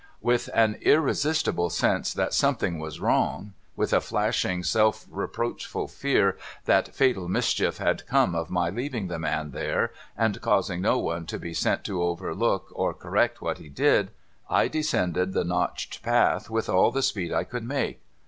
With an irresistible sense that something was wrong, — with a flashing self reproachful fear that fatal mischief had come of my leaving the man there, and causing no one to be sent to overlook or correct what he did, — I descended the notched path with all the speed I could make.